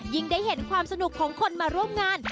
ได้เห็นความสนุกของคนมาร่วมงาน